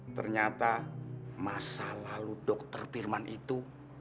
ternyata masa lalu dr firman itu